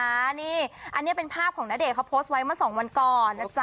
อันนี้เป็นภาพของณเดชนเขาโพสต์ไว้เมื่อ๒วันก่อนนะจ๊